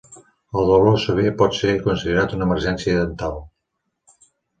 El dolor sever pot ser considerat una emergència dental.